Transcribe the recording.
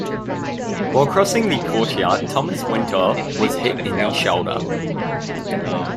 While crossing the courtyard Thomas Wintour was hit in the shoulder.